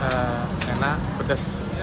ya karena ciri ciri pedas